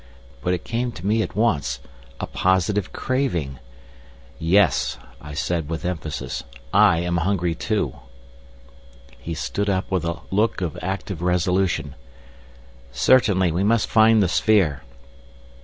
But it came to me at once—a positive craving. "Yes," I said with emphasis. "I am hungry too." He stood up with a look of active resolution. "Certainly we must find the sphere."